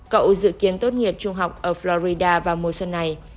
cậu dự kiến tốt nghiệp trung học ở florida vào mùa xuân này